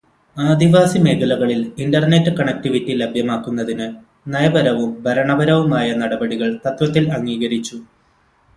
ആദിവാസി മേഖലകളില് internet connectivity ലഭ്യമാക്കുന്നതിന് നയപരവും ഭരണപരവുമായ നടപടികള് തത്വത്തില് അംഗീകരിച്ചു.